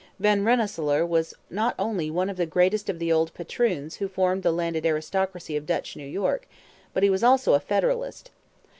Van Rensselaer was not only one of the greatest of the old 'patroons' who formed the landed aristocracy of Dutch New York, but he was also a Federalist.